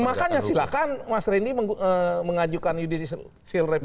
makanya silahkan mas rendy mengajukan judicial review